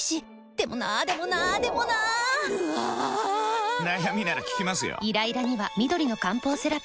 でもなーでもなーでもなーぬあぁぁぁー！！！悩みなら聞きますよ。